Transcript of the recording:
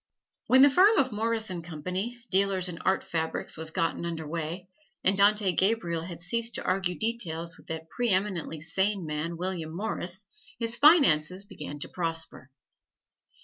When the firm of Morris and Company, Dealers in Art Fabrics, was gotten under way, and Dante Gabriel had ceased to argue details with that pre eminently sane man, William Morris, his finances began to prosper.